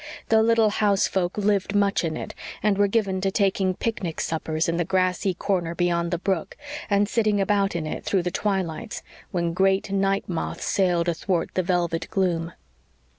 The little house folk lived much in it, and were given to taking picnic suppers in the grassy corner beyond the brook and sitting about in it through the twilights when great night moths sailed athwart the velvet gloom.